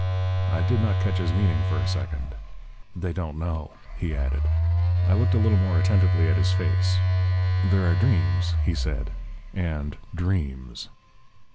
I did not catch his meaning for a second. "They don't know," he added. I looked a little more attentively at his face. "There are dreams," he said, "and dreams."